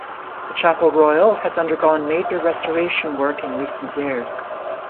The Chapel Royal has undergone major restoration work in recent years.